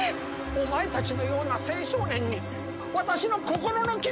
お前たちのような青少年に私の心の傷がわかるか！